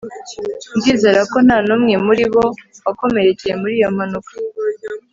ndizera ko nta n'umwe muri bo wakomerekeye muri iyo mpanuka